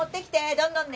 どんどんね！